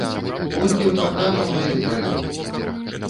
Колькі рэпартажаў на ёй правёў!